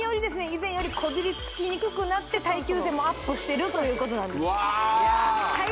以前よりこびりつきにくくなって耐久性もアップしてるということなんですうわ